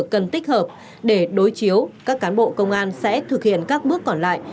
cần tích hợp để đối chiếu các cán bộ công an sẽ thực hiện các bước còn lại